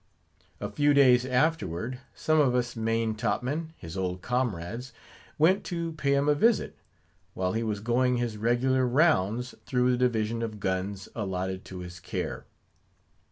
A few days afterward, some of us main top men, his old comrades, went to pay him a visit, while he was going his regular rounds through the division of guns allotted to his care.